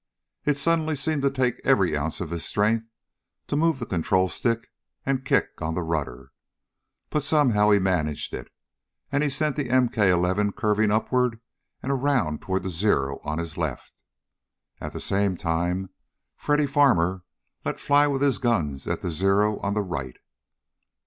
It suddenly seemed to take every ounce of his strength to move the control stick, and to kick on rudder. But somehow he managed it, and he sent the MK 11 curving upward and around toward the Zero on his left. And at the same time Freddy Farmer let fly with his guns at the Zero on the right.